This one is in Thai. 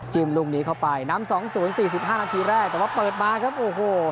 จิ้มลุงนี้เข้าไปนำสองศูนย์สี่สิบห้านาทีแรกแต่ว่าเปิดมาครับโอ้โห